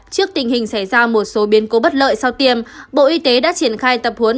trước tình hình xảy ra một số biến cố bất lợi sau tiêm bộ y tế đã triển khai tập huấn